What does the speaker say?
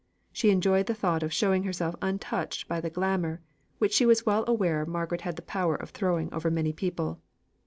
She enjoyed the thought of showing herself untouched by the "glamour," which she was well aware Margaret had the power of throwing over many people.